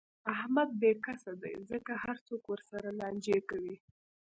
احمد به کسه دی، ځکه هر څوک ورسره لانجې کوي.